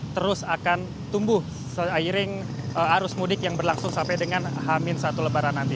terus akan tumbuh seiring arus mudik yang berlangsung sampai dengan hamin satu lebaran nanti